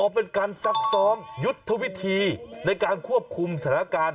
อ๋อเป็นการซักซ้อมยุทธวิธีในการควบคุมศาลาการ